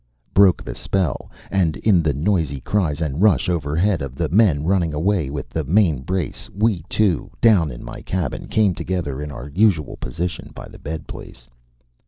broke the spell, and in the noisy cries and rush overhead of the men running away with the main brace we two, down in my cabin, came together in our usual position by the bed place.